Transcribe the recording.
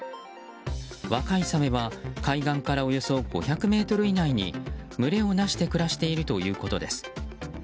若いサメは海岸からおよそ５００ｍ以内に群れをなして暮らしているということです。